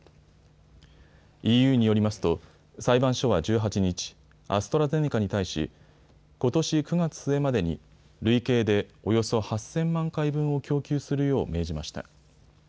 ＥＵによりますと裁判所は１８日、アストラゼネカに対しことし９月末までに累計でおよそ８０００万回分を供給するよう命じました。